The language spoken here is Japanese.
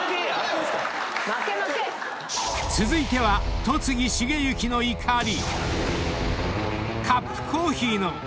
［続いては戸次重幸の怒り］